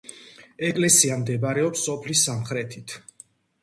ეკლესია მდებარეობს სოფლის სამხრეთით.